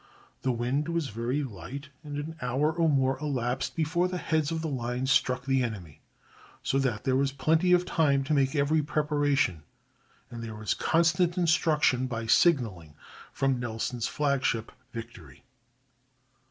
The wind was very light, and an hour or more elapsed before even the heads of the line struck the enemy, so that there was plenty of time to make every preparation, and there was constant instruction by signaling from Nelson's flagship Victory.